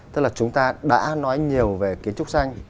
tức là chúng ta đã nói nhiều về kiến trúc xanh